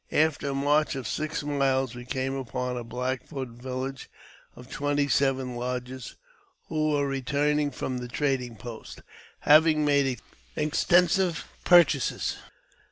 After a march of six miles, we came upon a Black Eoot village of twenty seven lodges, who were returning from the trading post, having made extensive purchases.